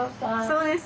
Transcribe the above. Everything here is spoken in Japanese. そうです。